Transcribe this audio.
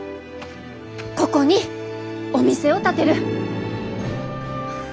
ここにお店を建てる。